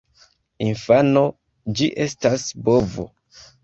Infano: "Ĝi estas bovo!"